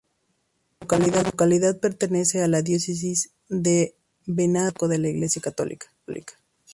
La localidad pertenece a la Diócesis de Venado Tuerto de la Iglesia católica.